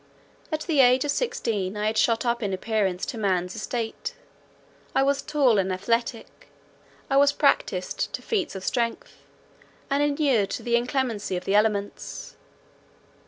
At the age of sixteen I had shot up in appearance to man's estate; I was tall and athletic; I was practised to feats of strength, and inured to the inclemency of the elements.